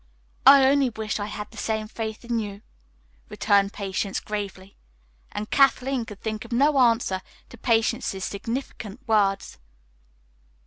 "I only wish I had the same faith in you," returned Patience gravely. And Kathleen could think of no answer to Patience's significant words.